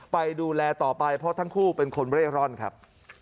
ไปดูแลต่อไปเพราะทั้งคู่เป็นคนเร่ร่อนครับ